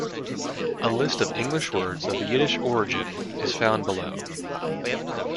A list of English words of Yiddish origin is found below.